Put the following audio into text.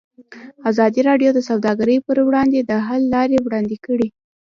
ازادي راډیو د سوداګري پر وړاندې د حل لارې وړاندې کړي.